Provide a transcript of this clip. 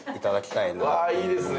いいですね。